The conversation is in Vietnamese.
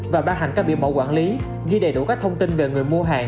và bán hành các biện mẫu quản lý ghi đầy đủ các thông tin về người mua hàng